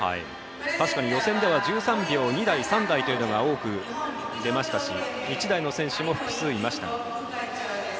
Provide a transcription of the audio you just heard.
確かに予選では１３秒２台、３台というのが多く出ましたし１台の選手も複数いました。